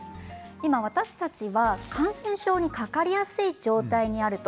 今、私たちは感染症にかかりやすい状態にあると。